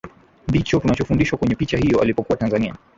ndicho tunachofundishwa kwenye picha hiyo Alipokuwa Tanzania